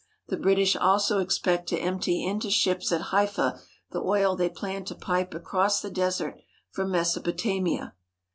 The British also expect to empty into ships at Haifa the oil they plan to pipe across the desert from Mesopotamia.